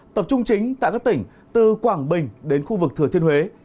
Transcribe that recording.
tập trung chính tại các tỉnh từ quảng bình đến khu vực thừa thiên huế